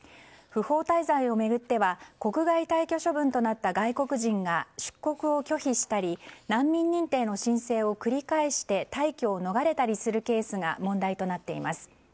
不法滞在を巡っては国外退去処分となった外国人が出国を拒否したり難民認定の申請を繰り返して退去を逃れたりするケースが問題となっています。